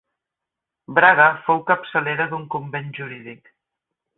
Braga fou capçalera d'un convent jurídic.